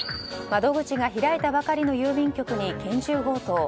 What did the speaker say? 窓口が開いたばかりの郵便局に拳銃強盗。